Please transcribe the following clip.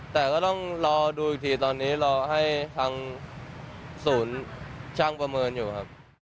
แต่ก็ต้องรอดูอีกทีตอนนี้รอให้ทางศูนย์ช่างประเมินอยู่ครับ